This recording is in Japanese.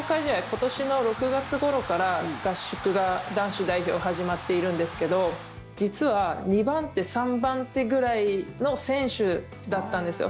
今年の６月ごろから合宿が男子代表は始まっているんですけど実は２番手、３番手くらいの選手だったんですよ。